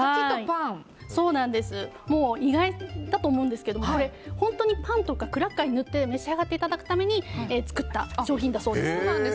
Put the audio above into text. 意外だと思うんですけどこれ、本当にパンとかクラッカーに塗って召し上がっていただくために作った商品だそうです。